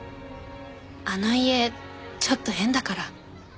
あの家ちょっと変だから。